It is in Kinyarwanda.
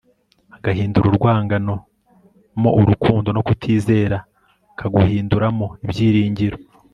agahindura urwangano mo urukundo no kutizera akaguhinduramo ibyiringiro